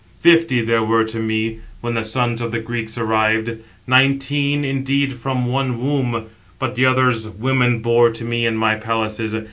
Fifty there were to me, when the sons of the Greeks arrived; nineteen indeed from one womb, but the others women bore to me in my palaces.